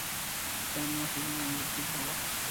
জানো, কীভাবে আমি বুদ্ধি পাব?